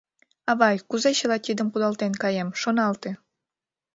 — Авай, кузе чыла тидым кудалтен каем, шоналте.